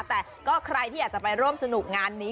แต่ก็ใครที่อยากจะไปร่วมสนุกงานนี้